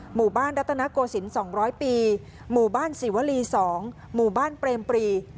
หมู่บ้านรัตนโกสินสองร้อยปีหมู่บ้านสิวรีสองหมู่บ้านเปรมปรี